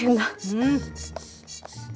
うん。